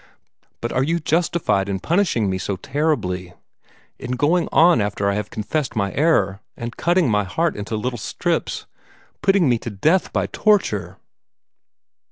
But are you justified in punishing me so terribly in going on after I have confessed my error, and cutting my heart into little strips, putting me to death by torture?"